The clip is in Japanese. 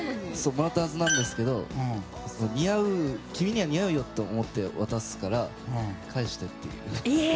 もらったはずなんですけど君に似合うよと思って渡すから、返してっていう。